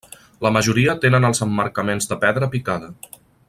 La majoria tenen els emmarcaments de pedra picada.